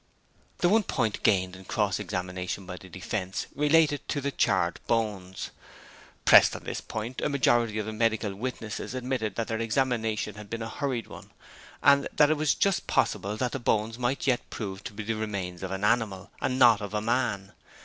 The one point gained in cross examination by the defense related to the charred bones. Pressed on this point, a majority of the medical witnesses admitted that their examination had been a hurried one; and that it was just possible that the bones might yet prove to be the remains of an animal, and not of a man.